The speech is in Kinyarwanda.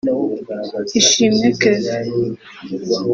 ishimwe Kelvin